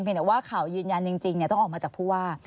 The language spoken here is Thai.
เป็นแต่ว่าข่าวยืนยันจริงต้องออกมาจากผู้ว่า